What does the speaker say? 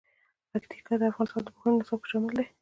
پکتیکا د افغانستان د پوهنې نصاب کې شامل دي.